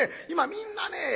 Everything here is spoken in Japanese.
今みんなね